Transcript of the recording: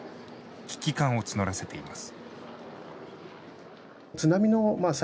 危機感を募らせています。